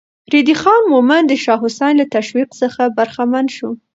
ريدی خان مومند د شاه حسين له تشويق څخه برخمن شو.